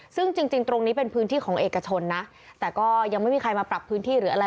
ซึ่งจริงตรงนี้เป็นพื้นที่ของเอกชนนะแต่ก็ยังไม่มีใครมาปรับพื้นที่หรืออะไร